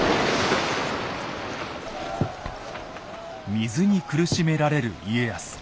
水に苦しめられる家康。